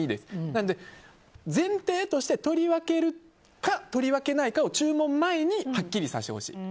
なので前提として取り分けるか、取り分けないかを注文前にはっきりさせてほしい。